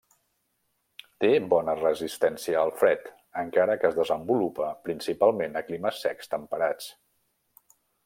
Té bona resistència al fred encara que es desenvolupa principalment a climes secs temperats.